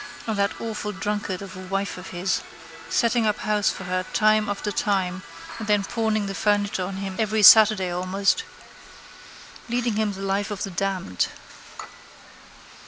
And that awful drunkard of a wife of his. Setting up house for her time after time and then pawning the furniture on him every Saturday almost. Leading him the life of the damned.